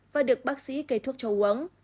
và được bác sĩ kê thuốc cho uống